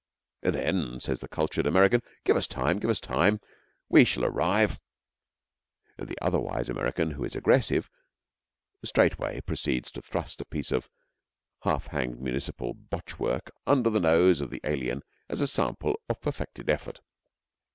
Then, says the cultured American, 'Give us time. Give us time, and we shall arrive.' The otherwise American, who is aggressive, straightway proceeds to thrust a piece of half hanged municipal botch work under the nose of the alien as a sample of perfected effort.